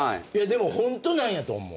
でもホントなんやと思う。